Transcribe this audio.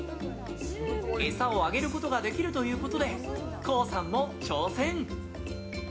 餌をあげることができるということでＫＯＯさんも挑戦。